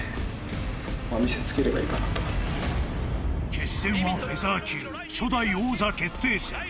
［決戦はフェザー級初代王座決定戦］